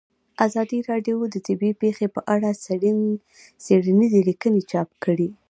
ازادي راډیو د طبیعي پېښې په اړه څېړنیزې لیکنې چاپ کړي.